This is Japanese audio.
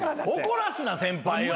怒らすな先輩を。